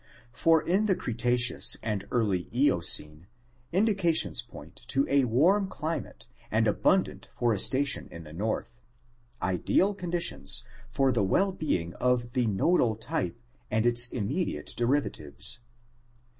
For in the Cretaceous and early Eocene indications point to a warm climate and abundant forestation in the north, ideal conditions for the well being of the nodal type and its immediate derivatives.